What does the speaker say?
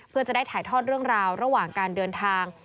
เพื่อจะได้ถ่ายทอดเรื่องราวระหว่างการเดินทาง